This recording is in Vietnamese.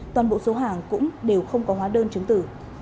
toàn bộ số hàng cũng đều không có hóa đơn chứng tử